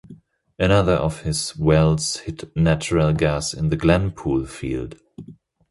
Another of his wells hit natural gas in the Glenn Pool field.